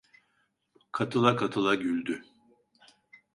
Katıla katıla güldü…